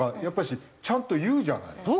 やっぱりちゃんと言うじゃない。